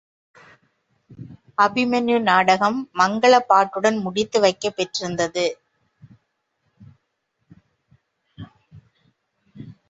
அபிமன்யு நாடகம் மங்களப் பாட்டுடன் முடித்து வைக்கப் பெற்றிருந்தது.